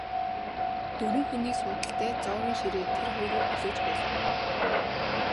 Дөрвөн хүний суудалтай зоогийн ширээ тэр хоёрыг хүлээж байлаа.